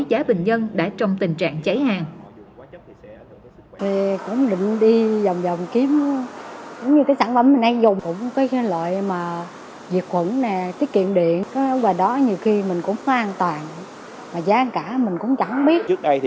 giá bình dân đã trong tình trạng cháy hàng